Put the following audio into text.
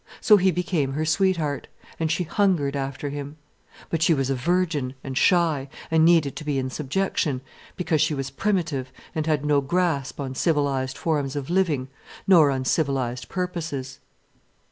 So he became her sweetheart, and she hungered after him. But she was virgin, and shy, and needed to be in subjection, because she was primitive and had no grasp on civilized forms of living, nor on civilized purposes.